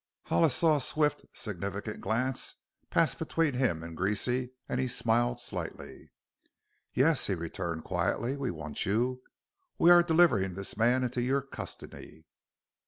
Hollis saw a swift, significant glance pass between him and Greasy and he smiled slightly. "Yes," he returned quietly; "we want you. We are delivering this man into your custody."